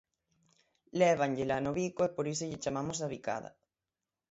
Lévanllela no bico e por iso lle chamamos a bicada.